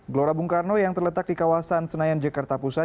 gelora bung karno yang terletak di kawasan senayan jakarta pusat